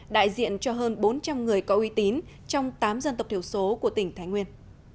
đại diện cho hơn bốn trăm linh người có uy tín trong tám dân tộc thiểu số của tỉnh thái nguyên